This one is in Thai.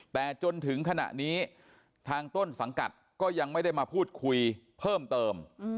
แต่จนถึงขณะนี้ทางต้นสังกัดก็ยังไม่ได้มาพูดคุยเพิ่มเติม